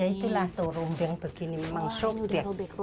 itulah tuh rombeng begini memang sobek